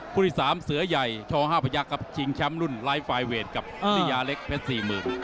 ผู้ที่สามเสือใหญ่ช่อห้าประยักษ์กับชิงแชมป์รุ่นไลฟ์ไฟเวทกับนิยาเล็กเพชร๔๐๐๐๐